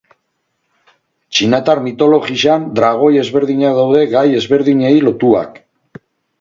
Txinatar mitologian dragoi ezberdinak daude gai ezberdinei lotuak.